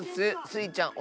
スイちゃん